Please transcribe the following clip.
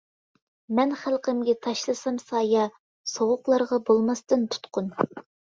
مەن خەلقىمگە تاشلىسام سايە، سوغۇقلارغا بولماستىن تۇتقۇن.